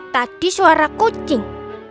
tadi suara kucing